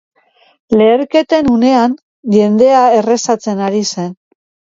Leherketen unean jendea errezatzen ari zen.